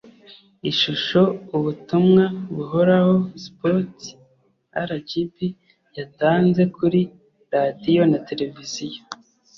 ishusho ubutumwa buhoraho spots rgb yatanze kuri radiyo na televiziyo